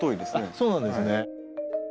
そうなんですね。